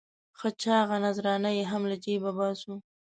ښه چاغه نذرانه یې هم له جېبه باسو.